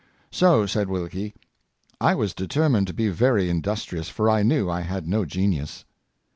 " So," said Wilkie, " I was determined to be very industrious, for I knew I had no genius."